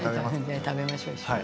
じゃあ食べましょう一緒に。